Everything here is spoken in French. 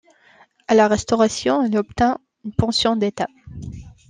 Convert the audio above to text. À la Restauration elle obtint une pension d'État.